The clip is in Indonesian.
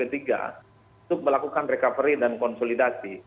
untuk melakukan recovery dan konsolidasi